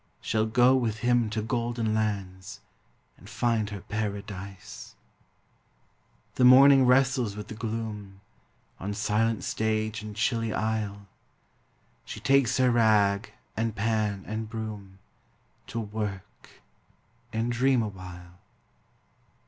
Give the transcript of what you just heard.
Shall go with him to golden lands And find her paradise! The morning wrestles with the gloom On silent stage and chilly aisle, She takes her rag and pan and broom To work and dream awhile!